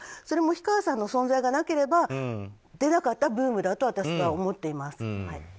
それも氷川さんの存在がなければ出なかったブームだと私は思っています。